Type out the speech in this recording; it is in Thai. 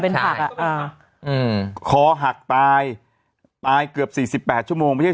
เป็นผักอ่ะอ่าอืมคอหักตายตายเกือบสี่สิบแปดชั่วโมงไม่ใช่